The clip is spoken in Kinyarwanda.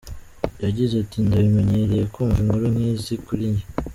Yagize ati “Ndabimenyereye kumva inkuru nk’izi kuri njye.